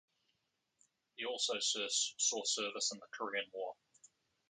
He also saw service in the Korean War.